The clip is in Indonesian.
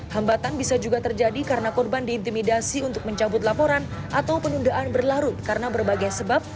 hambatan bisa juga terjadi karena korban diintimidasi untuk mencabut laporan atau penundaan berlarut karena berbagai sebab